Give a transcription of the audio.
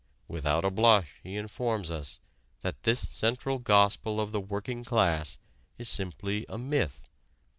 Without a blush he informs us that this central gospel of the working class is simply a "myth."